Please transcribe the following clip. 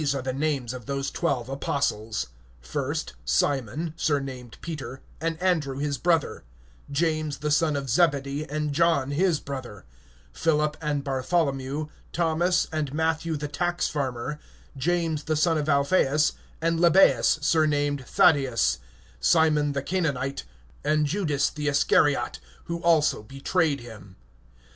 (2)And the names of the twelve apostles are these; first Simon, who is called Peter, and Andrew his brother; James the son of Zebedee, and John his brother; (3)Philip, and Bartholomew; Thomas, and Matthew the publican; James the son of Alpheus, and Lebbeus surnamed Thaddeus; (4)Simon the Cananite[10:4], and Judas Iscariot, who also betrayed him.